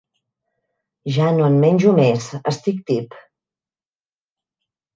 Ja no en menjo més; estic tip.